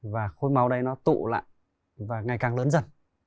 và khôi máu đấy nó tụ lại và ngày càng lớn dần